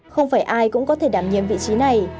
không phải ai cũng có thể đảm nhiệm vị trí này